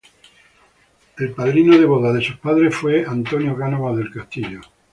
El padrino de boda de sus padres fue Antonio Cánovas del Castillo.